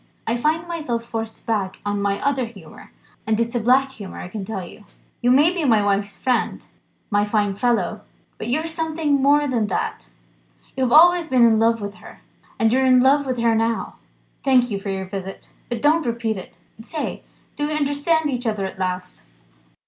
I find myself forced back on my other humour and it's a black humour, I can tell you. You may be my wife's friend, my fine fellow, but you're something more than that. You have always been in love with her and you're in love with her now. Thank you for your visit, but don't repeat it. Say! do we understand each other at last?"